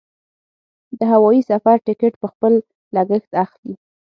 د هوايي سفر ټکټ په خپل لګښت اخلي.